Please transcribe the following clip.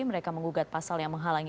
mereka mengugat pasal yang menghalangi